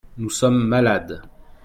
Nous sommes malades.